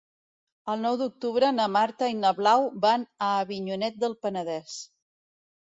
El nou d'octubre na Marta i na Blau van a Avinyonet del Penedès.